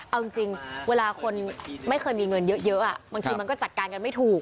เอาจริงเวลาคนไม่เคยมีเงินเยอะบางทีมันก็จัดการกันไม่ถูก